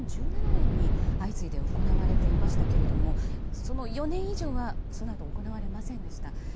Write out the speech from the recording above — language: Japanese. ２０１７年に相次いで行われていましたけれどもそのあと４年以上は行われませんでした。